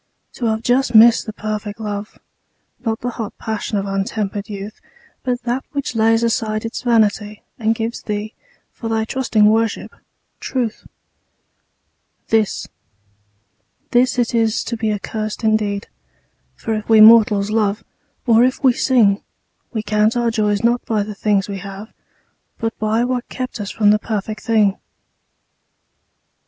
To have just missed the perfect love, Not the hot passion of untempered youth, But that which lays aside its vanity And gives thee, for thy trusting worship, truth This, this it is to be accursed indeed; For if we mortals love, or if we sing, We count our joys not by the things we have, But by what kept us from the perfect thing.